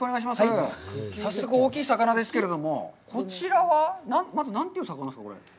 早速大きい魚ですけれども、こちらは、まず何という魚ですか？